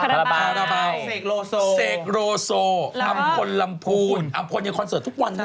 คาราบาลเสกโลโซเสกโลโซอำคนลำพูนอำคนอยู่คอนเสิร์ตทุกวันนะเธอ